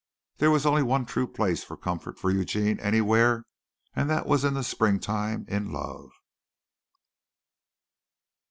There was only one true place of comfort for Eugene anywhere and that was in the spring time in love.